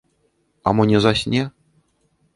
А мо не засне?